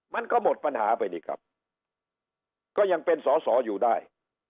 มันก็หมดปัญหาไปนี่ครับก็ยังเป็นสอสออยู่ได้